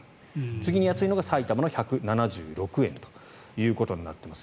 次に安いのが埼玉の１７６円となっています。